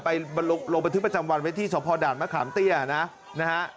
ไปลงบันทึกประจำวันไว้ที่สพด่านมะขามเตี้ยนะนะฮะ